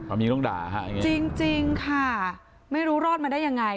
ความยิงต้องด่าค่ะจริงจริงค่ะไม่รู้รอดมันได้ยังไง